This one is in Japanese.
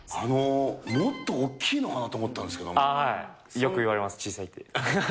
もっと大きいのかなと思ったよく言われます、小さいって。